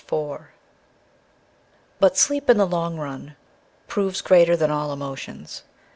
IV But sleep, in the long run, proves greater than all emotions.